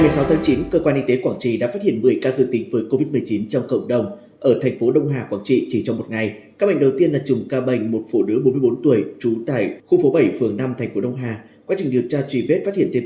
các bạn hãy đăng kí cho kênh lalaschool để không bỏ lỡ những video hấp dẫn